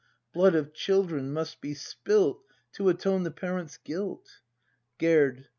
] Blood of children must be spilt To atone the parent's guilt! Gerd.